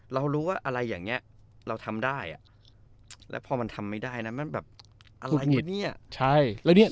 เรารู้ว่าอะไรอย่างนี้เราทำได้แล้วพอมันทำไม่ได้นะมันแบบอะไรวะเนี่ย